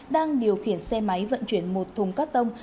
đang điều khiển xe máy vận chuyển một thùng cắt tông